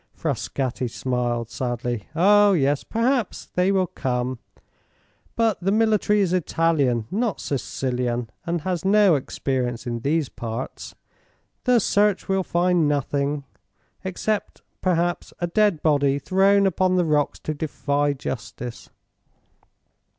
Frascatti smiled sadly. "Oh, yes; perhaps they will come. But the military is Italian not Sicilian and has no experience in these parts. The search will find nothing, except perhaps a dead body thrown upon the rocks to defy justice.